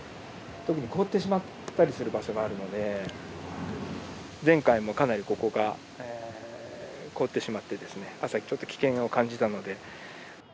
特に凍ってしまったりする場所があるので、前回もかなり、ここが凍ってしまって、朝、危険を感じたので。